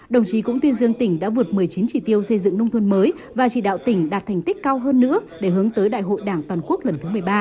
đồng chí cũng tuyên dương tỉnh đã vượt một mươi chín chỉ tiêu xây dựng nông thôn mới và chỉ đạo tỉnh đạt thành tích cao hơn nữa để hướng tới đại hội đảng toàn quốc lần thứ một mươi ba